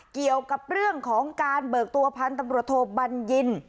เกี่ยวกับเรื่องของการเบิกตัวพันธุ์ตำรวจโทบัญญิน